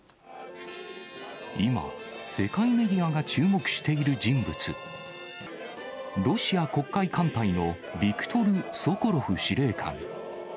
今、世界メディアが注目している人物、ロシア黒海艦隊のビクトル・ソコロフ司令官。